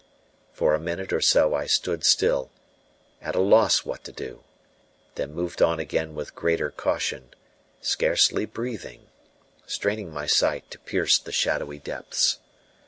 For a minute or so I stood still, at a loss what to do, then moved on again with greater caution, scarcely breathing, straining my sight to pierce the shadowy depths.